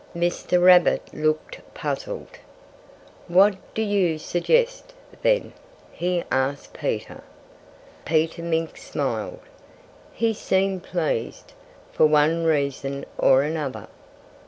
Mr. Rabbit looked puzzled. "What do you suggest, then?" he asked Peter. Peter Mink smiled. He seemed pleased, for one reason or another.